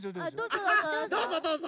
あっどうぞどうぞ。